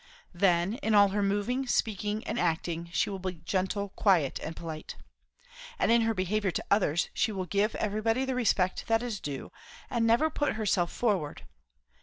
Then, in all her moving, speaking, and acting, she will be gentle, quiet, and polite. And in her behaviour to others, she will give everybody the respect that is due, and never put herself forward.